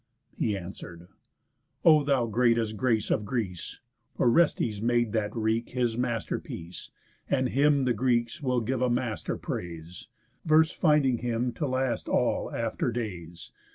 He answer'd: "O thou greatest grace of Greece, Orestes made that wreak his master piece, And him the Greeks will give a master praise, Verse finding him to last all after days.